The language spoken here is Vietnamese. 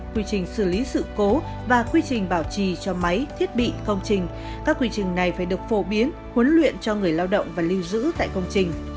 quy trình xử lý sự cố và quy trình bảo trì cho máy thiết bị công trình các quy trình này phải được phổ biến huấn luyện cho người lao động và lưu giữ tại công trình